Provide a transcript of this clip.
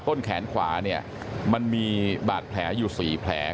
ต้นแขนขวาเนี่ยมันมีบาดแผลอยู่๔แผล